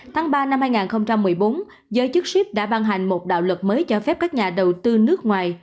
tháng ba năm hai nghìn một mươi bốn giới chức ship đã ban hành một đạo luật mới cho phép các nhà đầu tư nước ngoài